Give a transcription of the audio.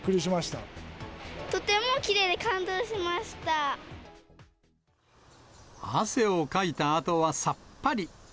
とてもきれいで、感動しまし汗をかいたあとはさっぱり。